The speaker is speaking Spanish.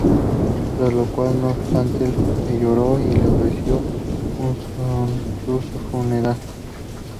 Tras lo cual, no obstante, le lloró y ofreció un suntuoso funeral.